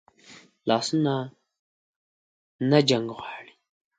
لاسونه نه جنګ غواړي